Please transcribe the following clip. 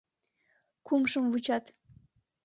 Кумшым вучат.